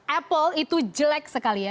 apple itu jelek sekali ya